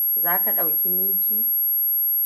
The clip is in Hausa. Zaka ɗauki mickey?